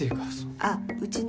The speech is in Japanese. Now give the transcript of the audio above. あっうちね